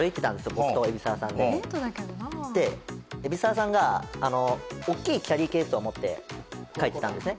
僕と海老沢さんでで海老沢さんが大きいキャリーケースを持って帰ってたんですね